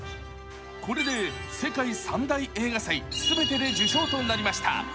これで世界三大映画祭全てで受賞となりました